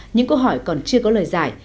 những câu hỏi còn chưa có lời giải